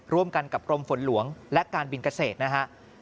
ร่วมกันกับกรมฝนหลวงและการบินเกษตรนะฮะ